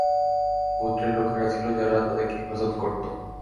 গোত্রের লোকেরা ছিল, যারা তাদেরকে হেফাজত করত।